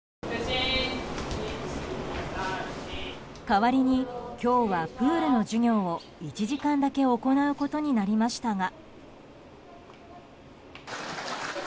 代わりに、今日はプールの授業を１時間だけ行うことになりましたが。